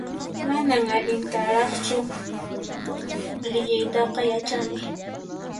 Manan allintaraqchu liyiytaqa yachani